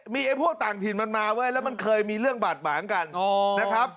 มีไอ้พวกต่างถิ่นมันมาเว้ยแล้วมันเคยมีเรื่องบาดหมางกันนะครับ